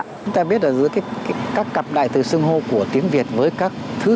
chúng ta biết là giữa các cặp đại từ xưng hô của tiếng việt với các thứ